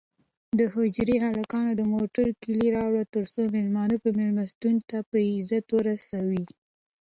د حجرې هلکانو د موټر کیلي راوړه ترڅو مېلمانه مېلمستون ته په عزت ورسوي.